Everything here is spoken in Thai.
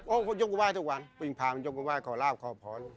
โอ้ยยกบ้านทุกวันบิงพามยกบ้านว่าขอลาบขอผอน